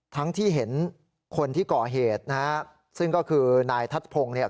ทั้งที่เห็นคนที่ก่อเหตุนะฮะซึ่งก็คือนายทัศพงศ์เนี่ย